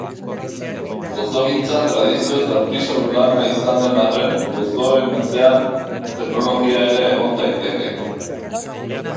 Gozogintza tradizioz artisau-lana izan den arren, gozoen atzean teknologia ere egon daiteke.